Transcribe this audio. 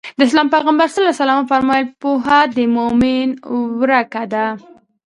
د اسلام پيغمبر ص وفرمايل پوهه د مؤمن ورکه ده.